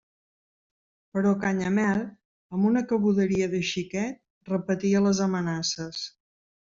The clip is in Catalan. Però Canyamel, amb una cabuderia de xiquet, repetia les amenaces.